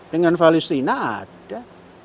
dengan valistina ada